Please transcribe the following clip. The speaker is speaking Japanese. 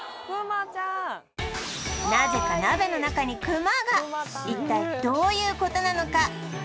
なぜか鍋の中にくまが一体どういうことなのか？